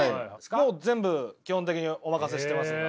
もう全部基本的にお任せしてますね。